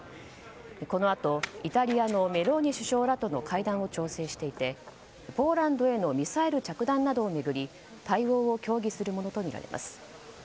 このあとイタリアのメローニ首相らとの会談を調整していてポーランドへのミサイル着弾などを巡り対応を協議するものとみられます。